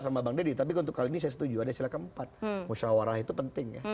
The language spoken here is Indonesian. sama bang dedi tapi untuk kali ini saya setuju ada silakan empat usaha warah itu penting ya